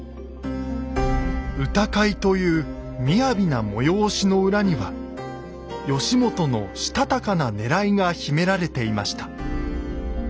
歌会というみやびな催しの裏には義元のしたたかなねらいが秘められていました。